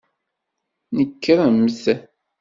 Nekremt!